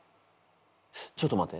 ちょっと待て。